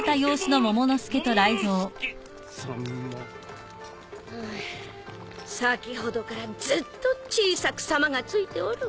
ハァ先ほどからずっと小さく「さま」が付いておる。